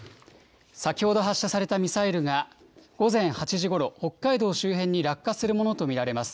先ほど発射されたミサイルが午前８時ごろ、北海道周辺に落下するものと見られます。